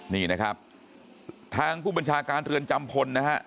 นี่นะครับทางผู้บัญชาการเรือนจำพลนะฮะ